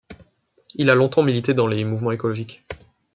Il a longtemps milité dans les mouvements écologiques.